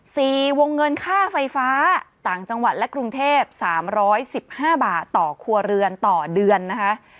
วงเงินค่าไฟฟ้าต่างจังหวัดและกรุงเทพสามร้อยสิบห้าบาทต่อครัวเรือนต่อเดือนนะคะ